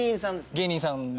芸人さんで。